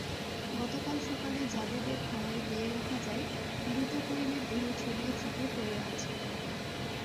গতকাল সকালে জাবেদের খামারে গিয়ে দেখা যায়, মৃত কোয়েলের দেহ ছড়িয়ে-ছিটিয়ে পড়ে আছে।